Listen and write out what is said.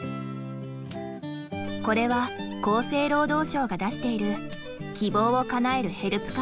これは厚生労働省が出している「希望をかなえるヘルプカード」。